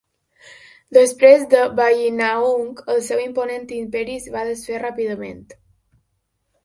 Després de Bayinnaung, el seu imponent imperi es fa desfer ràpidament.